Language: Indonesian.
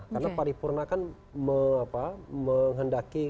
karena paripurna kan menghendaki kehadiran